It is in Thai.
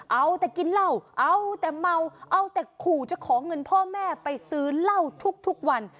เอาแต่กินเหล้าเอาแต่เมาเอาแต่ขู่จะขอเงินพ่อแม่ไปซื้อเหล้าทุกวัน